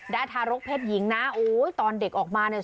ทารกเพศหญิงนะโอ้ยตอนเด็กออกมาเนี่ย